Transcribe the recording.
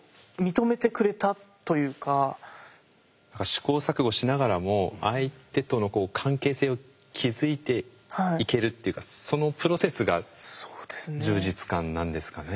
試行錯誤しながらも相手との関係性を築いていけるっていうかそのプロセスが充実感なんですかね。